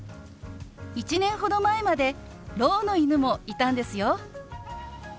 １年ほど前までろうの犬もいたんですよ。